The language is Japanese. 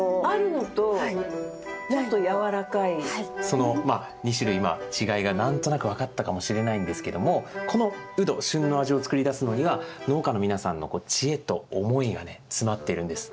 その２種類今違いが何となく分かったかもしれないんですけどもこのウド旬の味を作り出すのには農家の皆さんの知恵と思いがね詰まっているんです。